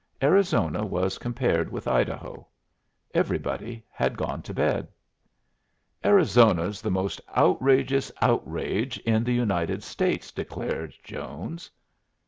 Arizona was compared with Idaho. Everybody had gone to bed. "Arizona's the most outrageous outrage in the United States," declared Jones.